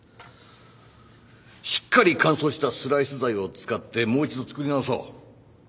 しっかり乾燥したスライス材を使ってもう一度作り直そう。